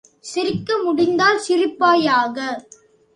சிரிக்க முடிந்தால் சிரிப்பாயாக!